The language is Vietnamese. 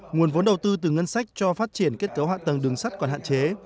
nguồn vốn đầu tư từ ngân sách cho phát triển kết cấu hạ tầng đường sắt còn hạn chế